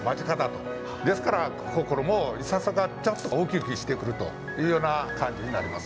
ですから心もいささか、ちょっとうきうきしてくるというような感じになります。